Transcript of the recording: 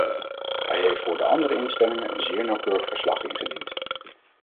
Hij heeft voor de andere instellingen een zeer nauwkeurig verslag ingediend.